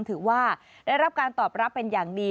ถือว่าได้รับการตอบรับเป็นอย่างดี